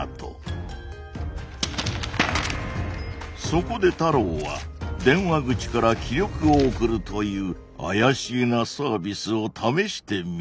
そこで太郎は電話口から気力を送るという怪しげなサービスを試してみた。